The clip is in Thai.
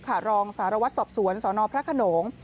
ข่าวรองศาลวัฒน์สอบสวนสอนอพระขนง